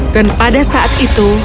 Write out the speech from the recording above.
dan pada saat itu